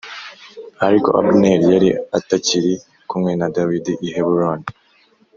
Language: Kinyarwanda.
Ariko Abuneri yari atakiri kumwe na Dawidi i Heburoni